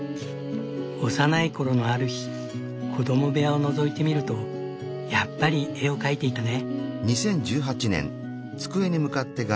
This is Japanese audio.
幼い頃のある日子ども部屋をのぞいてみるとやっぱり絵を描いていたね。